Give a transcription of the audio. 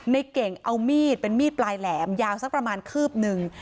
ในเก่งเอามีดเป็นมีดปลายแหลมยาวสักประมาณคืบหนึ่ง